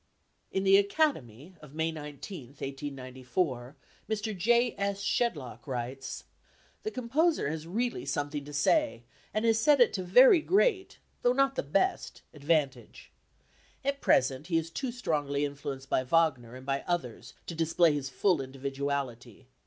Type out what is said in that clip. In the Academy of May 19, 1894, Mr. J. S. Shedlock writes: "The composer has really something to say, and has said it to very great, though not the best, advantage. At present he is too strongly influenced by Wagner and by others to display his full individuality.